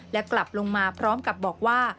และกลับลงมาพร้อมกับบอกว่า